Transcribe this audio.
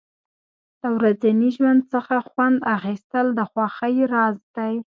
د ورځني ژوند څخه خوند اخیستل د خوښۍ راز دی.